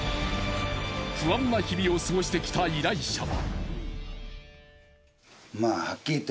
不安な日々を過ごしてきた依頼者は。